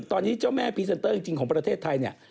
ตอนนี้เจ้าแม่พรีเซนเตอร์จริงของประเทศไทยเนี่ย